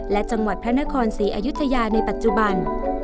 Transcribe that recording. และจังหวัดพระนครศรีอยุธยาในปัจจุบัน